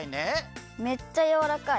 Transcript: めっちゃやわらかい。